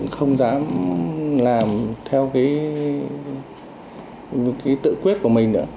không dám làm theo cái tự quyết của mình nữa